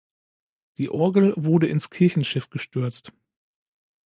Die Orgel wurde ins Kirchenschiff gestürzt.